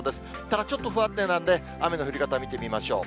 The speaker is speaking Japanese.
ただ、ちょっと不安定なんで、雨の降り方見てみましょう。